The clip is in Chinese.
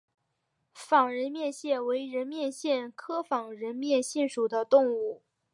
仿人面蟹为人面蟹科仿人面蟹属的动物。